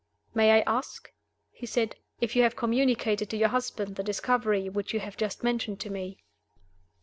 "May I ask," he said, "if you have communicated to your husband the discovery which you have just mentioned to me?"